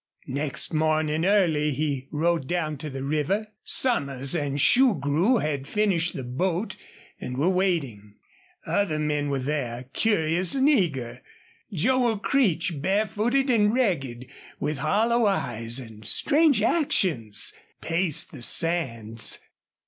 Next morning early he rode down to the river. Somers and Shugrue had finished the boat and were waiting. Other men were there, curious and eager. Joel Creech, barefooted and ragged, with hollow eyes and strange actions, paced the sands.